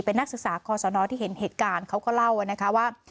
เป็นนักศึกษาคอสนที่เห็นเหตุการณ์เขาก็เล่านะคะว่า